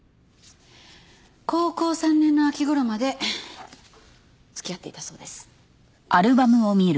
高校３年の秋頃まで付き合っていたそうです。